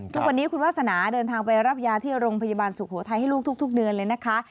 ทุกวันนี้คุณวาสนาเดินทางไปรับยาที่โรงพยาบาลสุโขทัยให้ลูกทุกเดือนเลยนะคะ